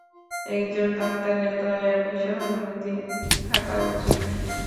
একজন ডাক্তারের দয়া এবং সহানুভূতি থাকা উচিৎ।